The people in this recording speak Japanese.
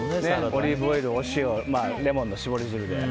オリーブオイル、お塩レモンの搾り汁で。